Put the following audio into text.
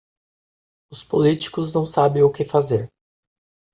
Os politícos não sabem o que fazer.